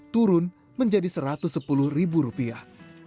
turun menjadi satu ratus sepuluh ribu rupiah